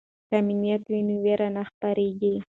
که امنیت وي نو ویره نه خپریږي.